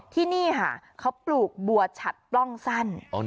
ที่นี่ค่ะเขาปลูกบัวฉัดปล้องสั้น